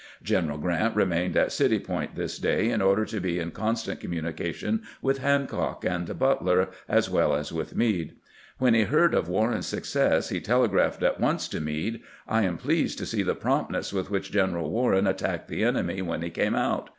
G eneral Grant remained at City Point this day in order to be in constant communication with Hancock and Butler as well as with Meade. When he heard of Warren's success he telegraphed at once to Meade :" I am pleased to see the promptness with which General Warren attacked the enemy when he came out.